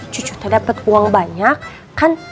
cucu dapet uang banyak